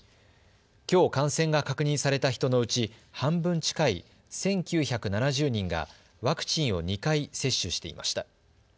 きょう感染が確認された人のうち半分近い１９７０人がワクチンを２回接種していました。